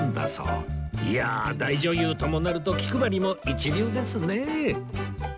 いや大女優ともなると気配りも一流ですねえ